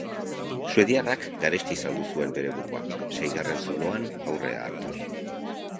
Suediarrak garesti saldu zuen bere burua, seigarren zuloan aurrea hartuz.